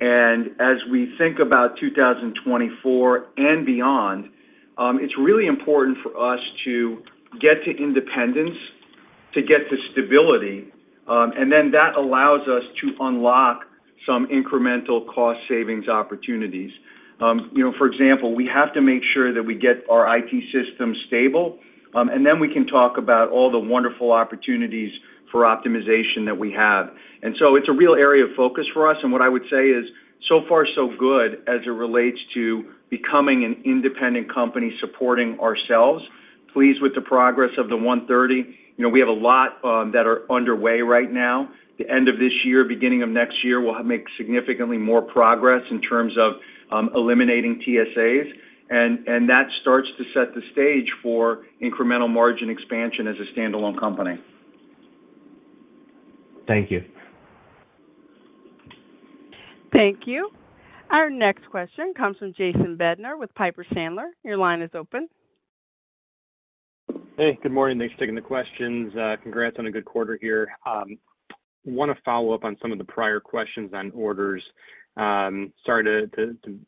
And as we think about 2024 and beyond, it's really important for us to get to independence, to get to stability, and then that allows us to unlock some incremental cost savings opportunities. You know, for example, we have to make sure that we get our IT system stable, and then we can talk about all the wonderful opportunities for optimization that we have. It's a real area of focus for us, and what I would say is, so far so good as it relates to becoming an independent company supporting ourselves. Pleased with the progress of the 130. You know, we have a lot that are underway right now. The end of this year, beginning of next year, we'll make significantly more progress in terms of eliminating TSAs, and that starts to set the stage for incremental margin expansion as a standalone company. Thank you. Thank you. Our next question comes from Jason Bednar with Piper Sandler. Your line is open. Hey, good morning. Thanks for taking the questions. Congrats on a good quarter here. Want to follow up on some of the prior questions on orders. Sorry to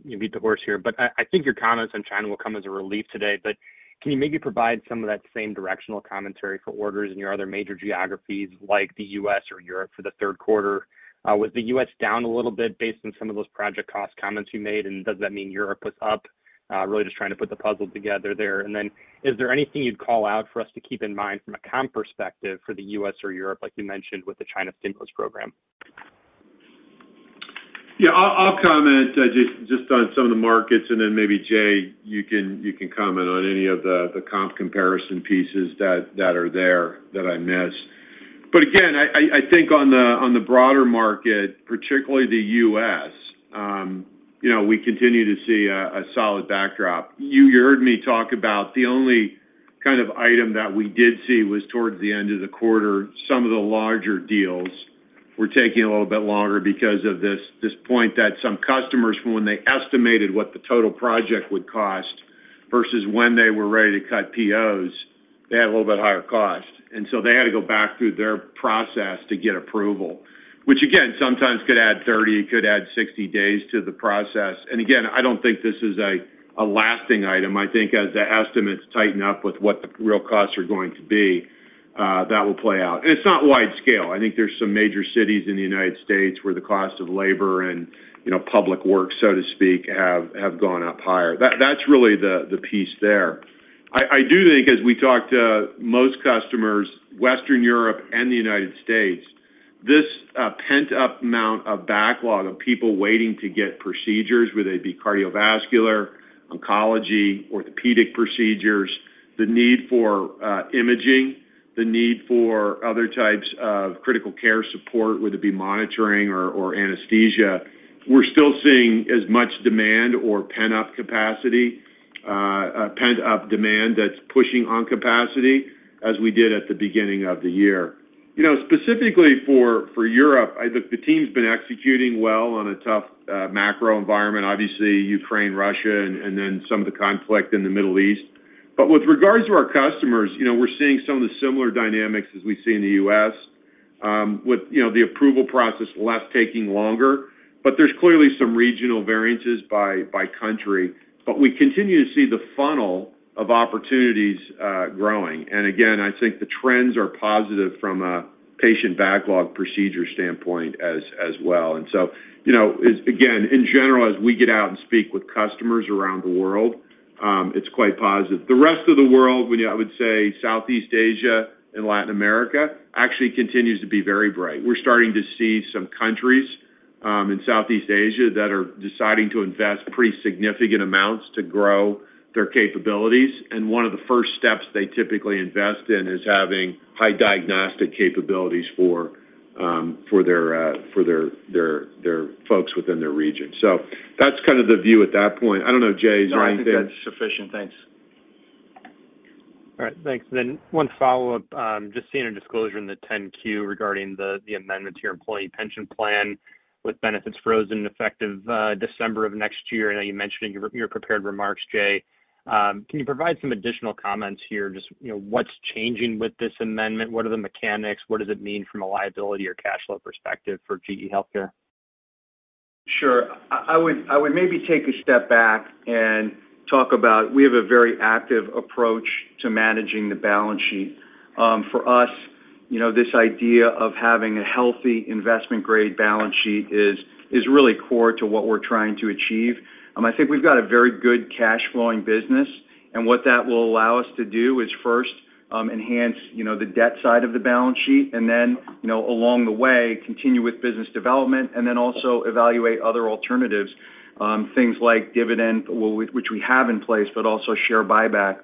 beat the horse here, but I think your comments on China will come as a relief today. But can you maybe provide some of that same directional commentary for orders in your other major geographies like the U.S. or Europe for the third quarter? Was the U.S. down a little bit based on some of those project cost comments you made, and does that mean Europe was up?... really just trying to put the puzzle together there. And then is there anything you'd call out for us to keep in mind from a comp perspective for the U.S. or Europe, like you mentioned with the China stimulus program? Yeah, I'll comment just on some of the markets, and then maybe, Jay, you can comment on any of the comp comparison pieces that are there that I miss. But again, I think on the broader market, particularly the U.S., you know, we continue to see a solid backdrop. You heard me talk about the only kind of item that we did see was towards the end of the quarter, some of the larger deals were taking a little bit longer because of this point that some customers, when they estimated what the total project would cost versus when they were ready to cut POs, they had a little bit higher cost. So they had to go back through their process to get approval, which again, sometimes could add 30, could add 60 days to the process. And again, I don't think this is a lasting item. I think as the estimates tighten up with what the real costs are going to be, that will play out. And it's not wide scale. I think there's some major cities in the United States where the cost of labor and, you know, public work, so to speak, have gone up higher. That's really the piece there. I do think as we talk to most customers, Western Europe and the United States, this pent-up amount of backlog of people waiting to get procedures, whether they be cardiovascular, oncology, orthopedic procedures, the need for imaging, the need for other types of critical care support, whether it be monitoring or anesthesia, we're still seeing as much demand or pent up capacity, pent-up demand that's pushing on capacity as we did at the beginning of the year. You know, specifically for Europe, look, the team's been executing well on a tough macro environment, obviously, Ukraine, Russia, and then some of the conflict in the Middle East. But with regards to our customers, you know, we're seeing some of the similar dynamics as we see in the US, with you know, the approval process less taking longer. But there's clearly some regional variances by country. But we continue to see the funnel of opportunities, growing. And again, I think the trends are positive from a patient backlog procedure standpoint as well. And so, you know, it's again, in general, as we get out and speak with customers around the world, it's quite positive. The rest of the world, I would say Southeast Asia and Latin America, actually continues to be very bright. We're starting to see some countries, in Southeast Asia that are deciding to invest pretty significant amounts to grow their capabilities, and one of the first steps they typically invest in is having high diagnostic capabilities for their folks within their region. So that's kind of the view at that point. I don't know, Jay. Is there anything- No, I think that's sufficient. Thanks. All right, thanks. Then one follow-up. Just seeing a disclosure in the 10-Q regarding the amendment to your employee pension plan, with benefits frozen effective December of next year. I know you mentioned in your prepared remarks, Jay. Can you provide some additional comments here? Just, you know, what's changing with this amendment? What are the mechanics? What does it mean from a liability or cash flow perspective for GE HealthCare? Sure. I would maybe take a step back and talk about, we have a very active approach to managing the balance sheet. For us, you know, this idea of having a healthy investment-grade balance sheet is really core to what we're trying to achieve. I think we've got a very good cash flowing business, and what that will allow us to do is, first, enhance, you know, the debt side of the balance sheet, and then, you know, along the way, continue with business development and then also evaluate other alternatives, things like dividend, well, which we have in place, but also share buyback.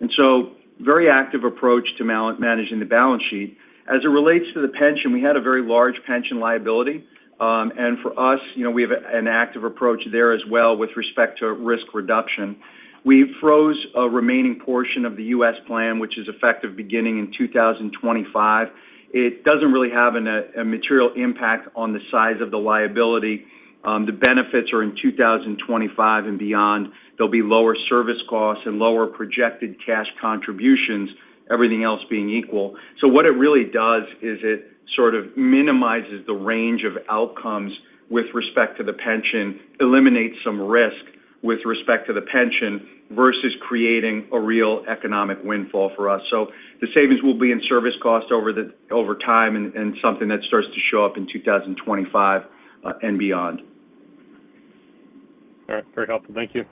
And so very active approach to managing the balance sheet. As it relates to the pension, we had a very large pension liability, and for us, you know, we have an active approach there as well with respect to risk reduction. We froze a remaining portion of the U.S. plan, which is effective beginning in 2025. It doesn't really have a material impact on the size of the liability. The benefits are in 2025 and beyond. There'll be lower service costs and lower projected cash contributions, everything else being equal. So what it really does is it sort of minimizes the range of outcomes with respect to the pension, eliminates some risk with respect to the pension, versus creating a real economic windfall for us. So the savings will be in service cost over time and something that starts to show up in 2025 and beyond. All right. Very helpful. Thank you.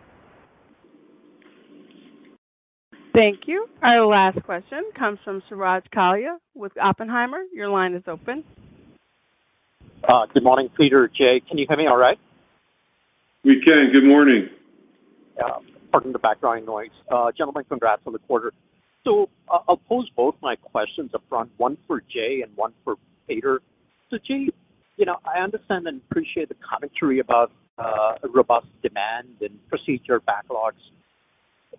Thank you. Our last question comes from Suraj Kalia with Oppenheimer. Your line is open. Good morning, Peter, Jay, can you hear me all right? We can. Good morning. Yeah, pardon the background noise. Gentlemen, congrats on the quarter. So I'll pose both my questions upfront, one for Jay and one for Peter. So Jay, you know, I understand and appreciate the commentary about robust demand and procedure backlogs.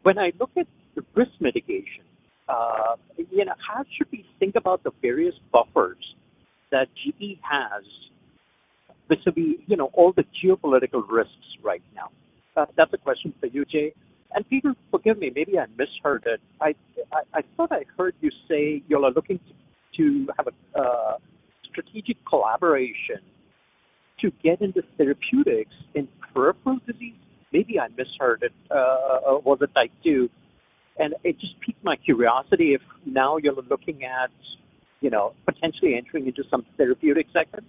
When I look at the risk mitigation, you know, how should we think about the various buffers that GE has? This will be, you know, all the geopolitical risks right now. That's a question for you, Jay. And Peter, forgive me, maybe I misheard it. I thought I heard you say you all are looking to have a strategic collaboration to get into therapeutics in peripheral disease. Maybe I misheard it, or the Type 2. ... And it just piqued my curiosity if now you're looking at, you know, potentially entering into some therapeutic segments.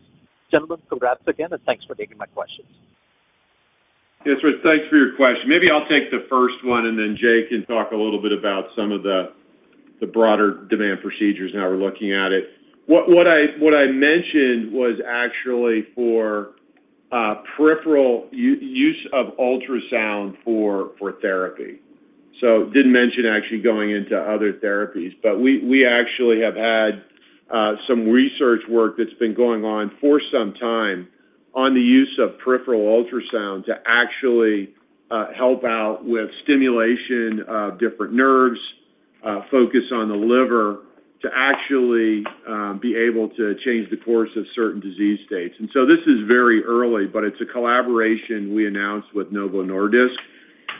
Gentlemen, congrats again, and thanks for taking my questions. Yes, Rich, thanks for your question. Maybe I'll take the first one, and then Jay can talk a little bit about some of the broader demand procedures, how we're looking at it. What I mentioned was actually for peripheral use of ultrasound for therapy. So didn't mention actually going into other therapies, but we actually have had some research work that's been going on for some time on the use of peripheral ultrasound to actually help out with stimulation of different nerves, focus on the liver, to actually be able to change the course of certain disease states. And so this is very early, but it's a collaboration we announced with Novo Nordisk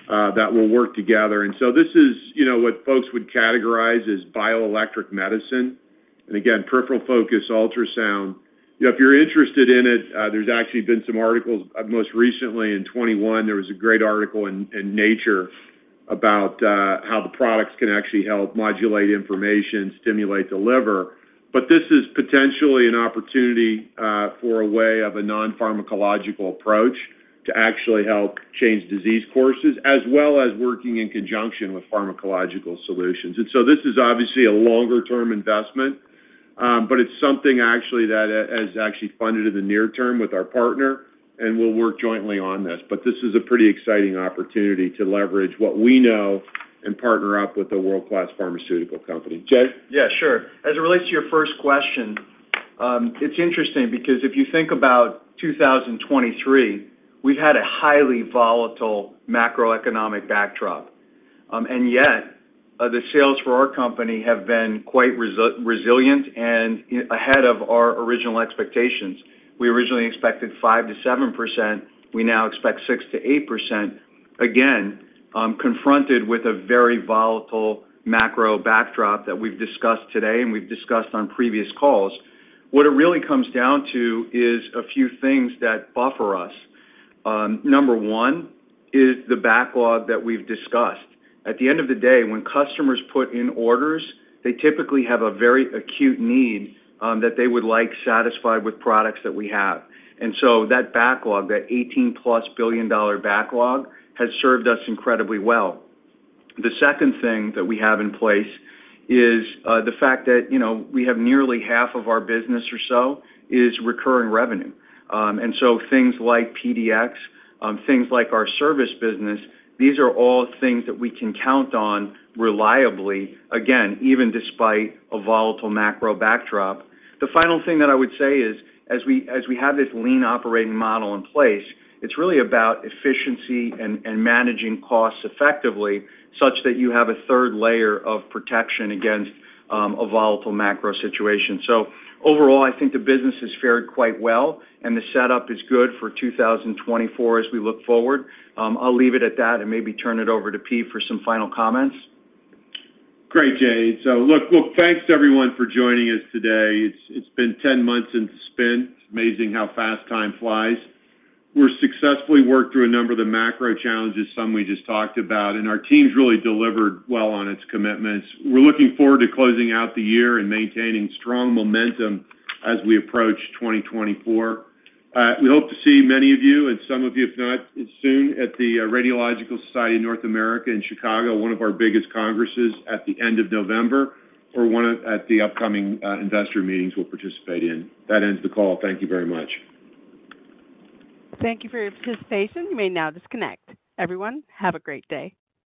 that will work together. And so this is, you know, what folks would categorize as bioelectronic medicine, and again, peripheral focused ultrasound. You know, if you're interested in it, there's actually been some articles, most recently in 2021, there was a great article in Nature about how the products can actually help modulate information, stimulate the liver. But this is potentially an opportunity for a way of a non-pharmacological approach to actually help change disease courses, as well as working in conjunction with pharmacological solutions. And so this is obviously a longer-term investment, but it's something actually that is actually funded in the near term with our partner, and we'll work jointly on this. But this is a pretty exciting opportunity to leverage what we know and partner up with a world-class pharmaceutical company. Jay? Yeah, sure. As it relates to your first question, it's interesting because if you think about 2023, we've had a highly volatile macroeconomic backdrop. And yet, the sales for our company have been quite resilient and ahead of our original expectations. We originally expected 5%-7%. We now expect 6%-8%, again, confronted with a very volatile macro backdrop that we've discussed today and we've discussed on previous calls. What it really comes down to is a few things that buffer us. Number one is the backlog that we've discussed. At the end of the day, when customers put in orders, they typically have a very acute need, that they would like satisfied with products that we have. And so that backlog, that $18+ billion backlog, has served us incredibly well. The second thing that we have in place is, the fact that, you know, we have nearly half of our business or so, is recurring revenue. And so things like PDX, things like our service business, these are all things that we can count on reliably, again, even despite a volatile macro backdrop. The final thing that I would say is, as we, as we have this Lean operating model in place, it's really about efficiency and, and managing costs effectively, such that you have a third layer of protection against, a volatile macro situation. So overall, I think the business has fared quite well, and the setup is good for 2024 as we look forward. I'll leave it at that and maybe turn it over to Pete for some final comments. Great, Jay. So look, thanks to everyone for joining us today. It's been ten months since Spin. It's amazing how fast time flies. We've successfully worked through a number of the macro challenges, some we just talked about, and our team's really delivered well on its commitments. We're looking forward to closing out the year and maintaining strong momentum as we approach 2024. We hope to see many of you, and some of you if not soon, at the Radiological Society of North America in Chicago, one of our biggest congresses at the end of November, or at the upcoming investor meetings we'll participate in. That ends the call. Thank you very much. Thank you for your participation. You may now disconnect. Everyone, have a great day.